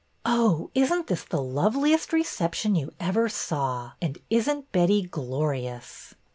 Oh, is n't this the loveliest reception you ever saw! And is n't Betty glorious